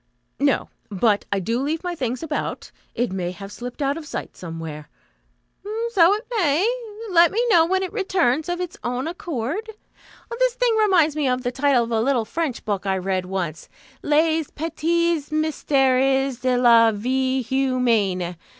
"No. But I do leave my things about. It may have slipped out of sight somewhere." "So it may. Let me know when it returns of its own accord. This thing reminds me of the title of a little French book I read once: Les Petits Mysteres de la Vie Humaine.